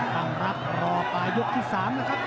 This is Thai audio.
คำรับรอปลายยุคที่๓นะครับ